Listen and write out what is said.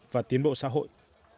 và tiến bộ xã hội